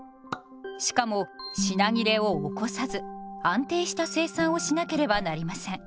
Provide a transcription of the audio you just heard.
しかも品切れを起こさず安定した生産をしなければなりません。